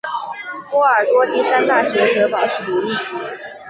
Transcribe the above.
波尔多第三大学则保持独立。